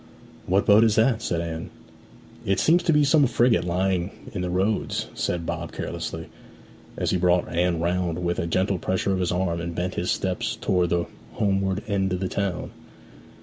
'What boat is that?' said Anne. 'It seems to be some frigate lying in the Roads,' said Bob carelessly, as he brought Anne round with a gentle pressure of his arm and bent his steps towards the homeward end of the town.